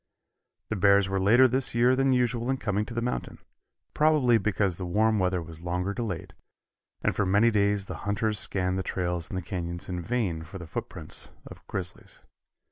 The bears were later this year than usual in coming to the mountain, probably because the warm weather was longer delayed, and for many days the hunters scanned the trails in the canyons in vain for the footprints of grizzlies.